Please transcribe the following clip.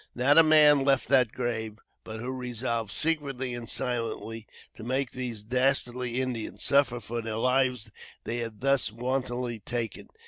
Not a man left that grave, but who resolved, secretly and silently, to make these dastardly Indians suffer for the lives they had thus wantonly taken.